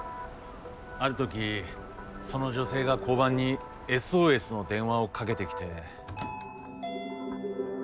ある時その女性が交番にＳＯＳの電話をかけてきて。